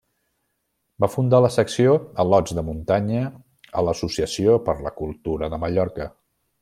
Va fundar la secció Al·lots de Muntanya a l'Associació per la Cultura de Mallorca.